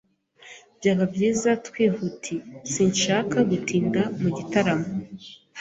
Byaba byiza twihutiye. Sinshaka gutinda mu gitaramo.